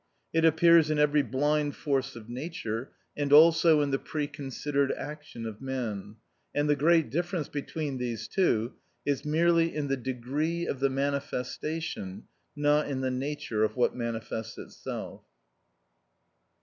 It appears in every blind force of nature and also in the preconsidered action of man; and the great difference between these two is merely in the degree of the manifestation, not in the nature of what manifests itself.